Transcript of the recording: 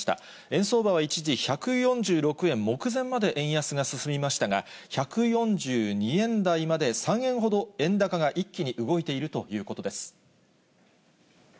円相場は一時、１４６円目前まで円安が進みましたが、１４２円台まで３円ほど円高が一気に動いているということです。